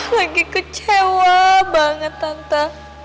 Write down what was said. lagi kecewa banget tante